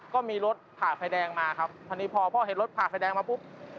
ก็มีรถผ่าไฟแดงมาครับพอดีพอพ่อเห็นรถผ่าไฟแดงมาปุ๊บ